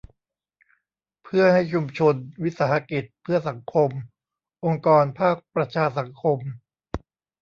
เพื่อให้ชุมชน วิสาหกิจเพื่อสังคม องค์กรภาคประชาสังคม